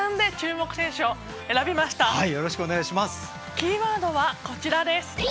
キーワードはこちらです。